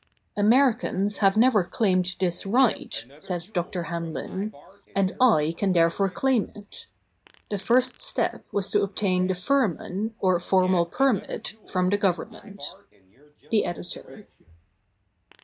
"Americans have never claimed this right," said Dr. Hamlin, "and I can therefore claim it." The first step was to obtain the firman, or formal permit, from the Gov ernment. The Editor.